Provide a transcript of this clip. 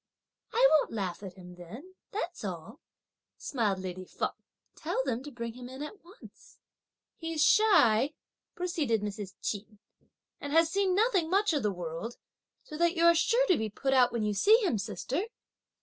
"I won't laugh at him then, that's all," smiled lady Feng; "tell them to bring him in at once." "He's shy," proceeded Mrs. Ch'in, "and has seen nothing much of the world, so that you are sure to be put out when you see him, sister."